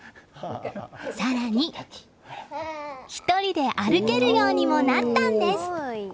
更に、１人で歩けるようにもなったんです。